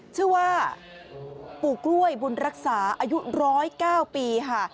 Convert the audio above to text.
ชื่อว่าปู่กล้วยบุญรักษาอายุ๑๐๙ปีค่ะ